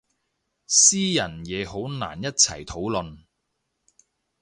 私人嘢好難一齊討論